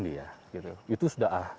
dia itu sudah